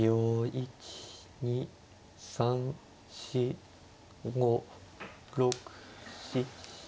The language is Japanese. １２３４５６７。